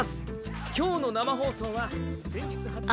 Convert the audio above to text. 今日の生放送は先日発売。